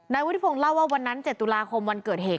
นายวิทย์พลงเล่าว่าวันนั้น๗ตุลาคมวันเกิดเหตุ